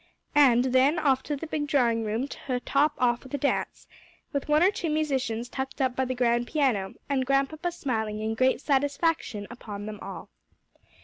And then off to the big drawing room to top off with a dance, with one or two musicians tucked up by the grand piano, and Grandpapa smiling in great satisfaction upon them all.